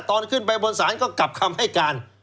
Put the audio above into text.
ตอนขึ้นไปบนศาลก็กลับคำให้การ